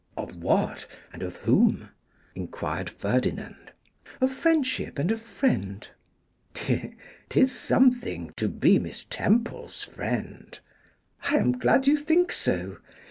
'Of what, and of whom?' enquired Ferdinand. 'Of friendship and a friend.' ''Tis something to be Miss Temple's friend.' 'I am glad you think so.